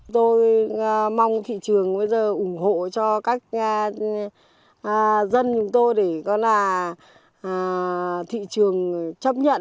tôi mong thị trường bây giờ ủng hộ cho các dân tôi để thị trường chấp nhận